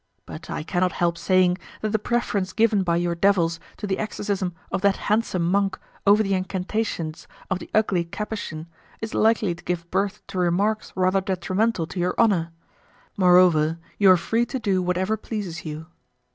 But I cannot help saying that the preference given by your devils to the exorcism of that handsome monk over the incantations of the ugly Capuchin is likely to give birth to remarks rather detrimental to your honour. Moreover, you are free to do whatever pleases you."